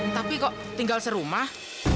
tapi kok tinggal serumah